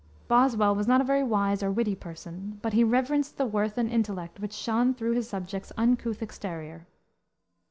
Boswell was not a very wise or witty person, but he reverenced the worth and intellect which shone through his subject's uncouth exterior.